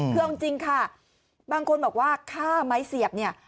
คือเอาจริงค่ะบางคนบอกว่าฆ่าไม้เสียบเนี่ย